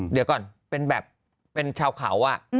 เดี๋ยวก่อนเป็นแบบเป็นชาวเขา